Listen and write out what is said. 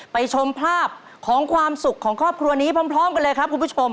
ชมภาพของความสุขของครอบครัวนี้พร้อมกันเลยครับคุณผู้ชม